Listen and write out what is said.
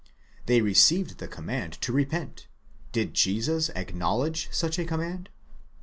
'They received the command to repent: did Jesus acknowledge such a command?